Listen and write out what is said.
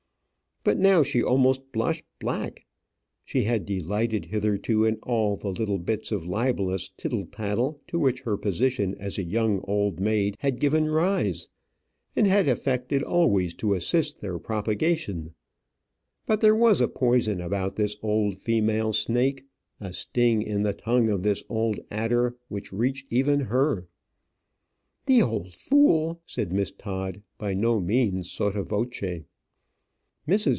But now she almost blushed black. She had delighted hitherto in all the little bits of libellous tittle tattle to which her position as a young old maid had given rise, and had affected always to assist their propagation; but there was a poison about this old female snake, a sting in the tongue of this old adder which reached even her. "The old fool!" said Miss Todd, by no means sotto voce. Mrs.